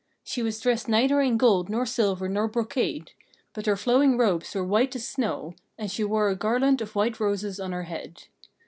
She was dressed neither in gold nor silver nor brocade; but her flowing robes were white as snow, and she wore a garland of white roses on her head.